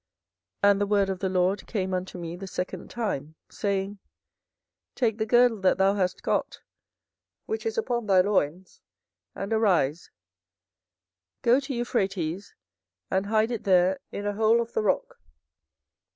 24:013:003 And the word of the LORD came unto me the second time, saying, 24:013:004 Take the girdle that thou hast got, which is upon thy loins, and arise, go to Euphrates, and hide it there in a hole of the rock.